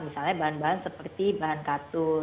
misalnya bahan bahan seperti bahan katun